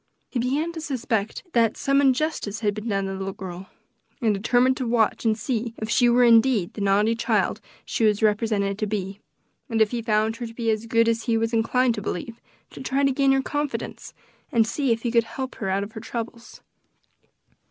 He began to suspect that some injustice had been done the little girl, and determined to watch and see if she were indeed the naughty child she was represented to be, and if he found her as good as he was inclined to believe, to try to gain her confidence, and see if he could help her out of her troubles.